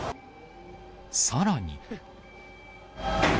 さらに。